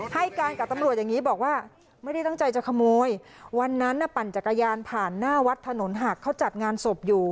ให้การกับตำรวจอย่างนี้บอกว่าไม่ได้ตั้งใจจะขโมยวันนั้นน่ะปั่นจักรยานผ่านหน้าวัดถนนหักเขาจัดงานศพอยู่